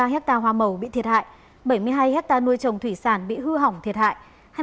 năm ba trăm linh ba ha hoa màu bị thiệt hại bảy mươi hai ha nuôi trồng thủy sản bị hư hỏng thiệt hại